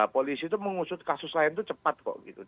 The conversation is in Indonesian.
polisi tuh mengusut kasus lain tuh cepat kok gitu